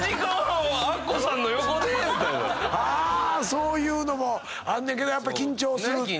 そういうのもあんねんけどやっぱ緊張する。